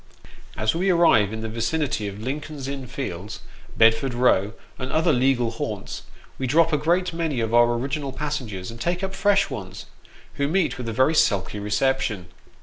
As we arrive in the vicinity of Lincoln's Inn Fields, Bedford Row, and other legal haunts, we drop a great many of our original passengers, and take up fresh ones, who meet with a very sulky reception.